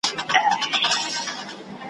چي د لوږي ږغ یې راغی له لړمونه ,